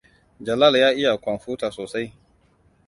Jalal ya iya kwamfuta sosai.